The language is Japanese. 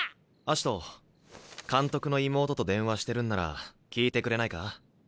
葦人監督の妹と電話してるんなら聞いてくれないか？